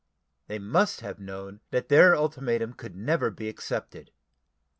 They must have known that their ultimatum could never be accepted.